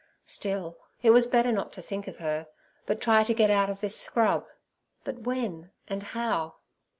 Still, it was better not to think of her, but try to get out of this scrub; but when and how?